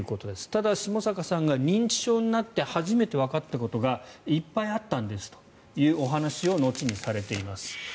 ただ、下坂さんが認知症になって初めてわかったことがいっぱいあったんですというお話を後にされています。